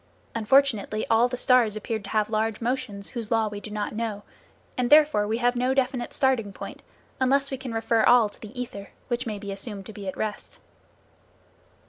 Unfortunately, all the stars appear to have large motions whose law we do not know, and therefore we have no definite starting point unless we can refer all to the ether which may be assumed to be at rest.